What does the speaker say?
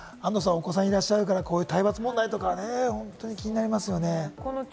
安藤さん、お子さんいらっしゃるから、この体罰問題とか気になりますよね？